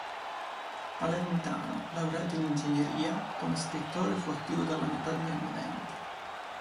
Palermitano, laureato in ingegneria, come scrittore fu attivo dalla metà degli anni venti.